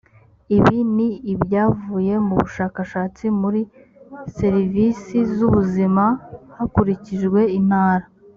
ibi ni ibyavuye mu bushakashatsi muri serivisi z ubuzima hakurikijwe intara